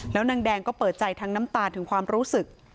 แล้วนางแดงก็เปิดใจทั้งน้ำตาถึงความรู้สึก